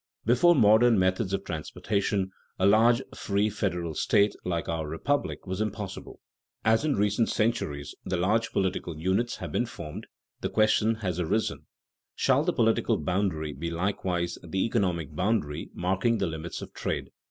Before modern methods of transportation, a large free federal state like our republic was impossible. As in recent centuries the large political units have been formed, the question has arisen, Shall the political boundary be likewise the economic boundary marking the limits of trade?